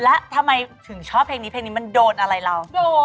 แล้วทำไมถึงชอบเพลงนี้เพลงนี้มันโดนอะไรเรา